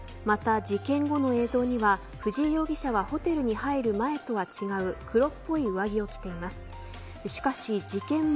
また、事件後の映像には藤井容疑者は、ホテルに入る前とは違う黒っぽい上着を着ています。